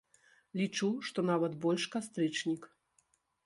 Лічу, што нават больш кастрычнік.